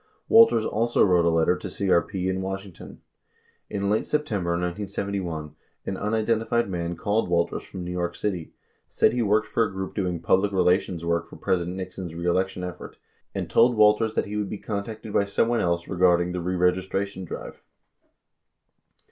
Walters also wrote a letter to CRP in Washington. In late September 1971, an unidentified man called Walters from New York City, said he worked for a group doing public relations work for President Nixon's re election effort, and told Walters that he would be contacted by someone else regard ing the reregistration drive.